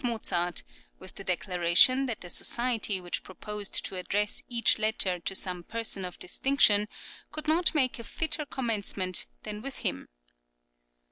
Mozart, with the declaration that the society which proposed to address each letter to some person of distinction, could not make a fitter commencement than with him.